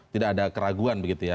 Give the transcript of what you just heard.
tidak ada keraguan begitu ya